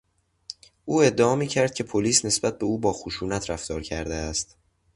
او ادعا میکرد که پلیس نسبت به او با خشونت رفتار کرده است.